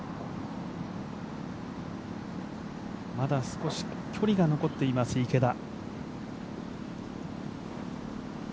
まだ少し距離が残っています、池田。